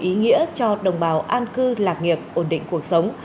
ý nghĩa cho đồng bào an cư lạc nghiệp ổn định cuộc sống